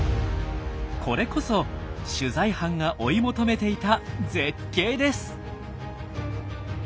これこそ取材班が追い求めていた絶景です！